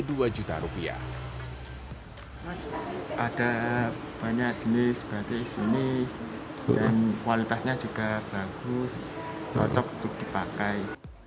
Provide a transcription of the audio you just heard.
ada banyak jenis batik sini dan kualitasnya juga bagus cocok untuk dipakai